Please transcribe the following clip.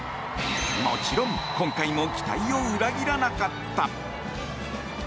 もちろん今回も期待を裏切らなかった！